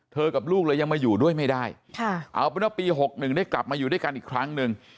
กับลูกเลยยังมาอยู่ด้วยไม่ได้เอาเป็นว่าปี๖๑ได้กลับมาอยู่ด้วยกันอีกครั้งหนึ่ง